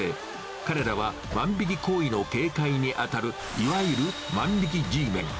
彼らは万引き行為の警戒に当たる、いわゆる万引きＧメン。